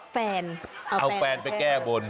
แฟนเอาแฟนไปแก้บน